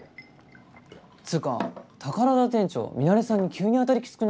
つうか宝田店長ミナレさんに急に当たりきつくなりましたよね。